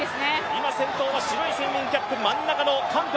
今先頭は白いスイミングキャップ、真ん中の韓国。